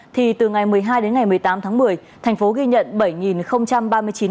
thì từ ngày một mươi hai đến ngày một mươi tám tháng một mươi tp hcm ghi nhận